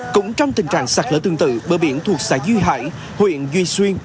cũng trong tình trạng sạt lỡ tương tự bờ biển thuộc xã duy hải huyện duy xuyên